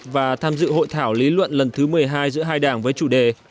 và tham dự hội thảo lý luận lần thứ một mươi hai giữa hai đảng với chủ đề